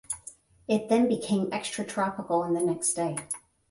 It then became extratropical on the next day.